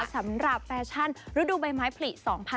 สำหรับแฟชั่นฤดูใบไม้ผลิ๒๐๑๖